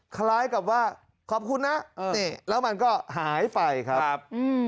คล้ายกับว่าขอบคุณนะนี่แล้วมันก็หายไปครับ